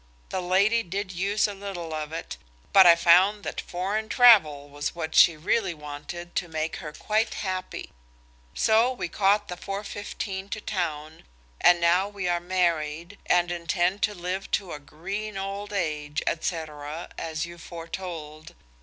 The lady did use a little of it, but I found that foreign travel was what she really wanted to make her quite happy. So we caught the 4.15 to town, and now we are married, and intend to live to a green old age, &c., as you foretold.